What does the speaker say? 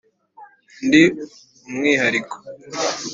ndi umwihariko.